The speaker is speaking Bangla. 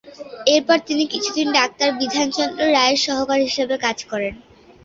এরপর তিনি কিছু দিন ডাক্তারবিধানচন্দ্র রায়ের সহকারী হিসাবে কাজ করেন।